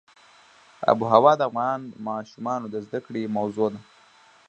آب وهوا د افغان ماشومانو د زده کړې موضوع ده.